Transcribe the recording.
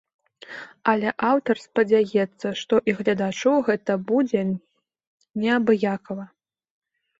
Але аўтар спадзяецца, што і гледачу гэта будзе неабыякава.